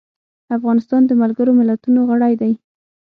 افغانستان د ملګرو ملتونو غړی دی.